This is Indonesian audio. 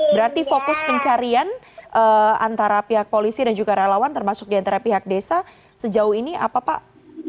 berarti fokus pencarian antara pihak polisi dan juga relawan termasuk diantara pihak desa sejauh ini apa pak